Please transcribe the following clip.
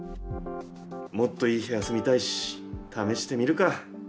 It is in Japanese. もっといい部屋住みたいし試してみるか。